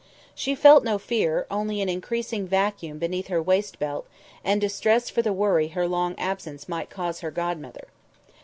She felt no fear, only an increasing vacuum beneath her waistbelt and distress for the worry her long absence might cause her godmother.